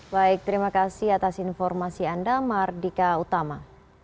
baik terima kasih atas informasi anda mardika utama